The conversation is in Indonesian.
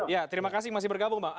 ya terima kasih masih bergabung bang